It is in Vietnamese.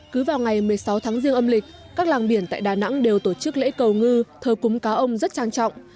cứ vào ngày một mươi sáu tháng riêng âm lịch các làng biển tại đà nẵng đều tổ chức lễ cầu ngư thờ cúng cá ông rất trang trọng